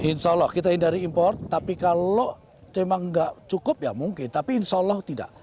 insya allah kita hindari impor tapi kalau memang nggak cukup ya mungkin tapi insya allah tidak